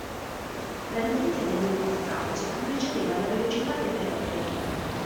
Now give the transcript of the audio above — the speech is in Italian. La notizia del loro passaggio li precedeva alla velocità del telegrafo.